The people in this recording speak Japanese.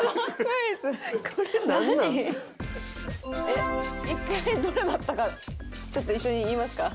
えっ１回どれだったかちょっと一緒に言いますか。